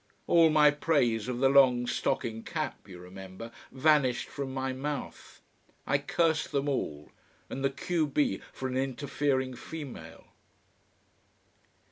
All my praise of the long stocking cap you remember? vanished from my mouth. I cursed them all, and the q b for an interfering female....